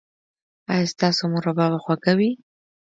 ایا ستاسو مربا به خوږه وي؟